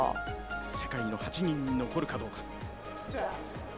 世界の８人に残るかどうか。